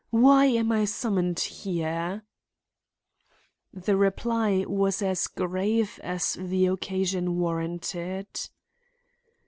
Why am I summoned here?" The reply was as grave as the occasion warranted.